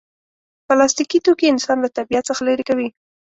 پلاستيکي توکي انسان له طبیعت څخه لرې کوي.